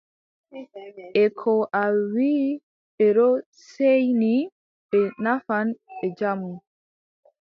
E ko a wii ɓe ɗo seeyni ɓe nafan ɓe jamu.